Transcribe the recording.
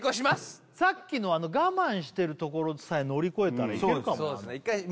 さっきの我慢してる所さえ乗り越えたらいけるかもそうですね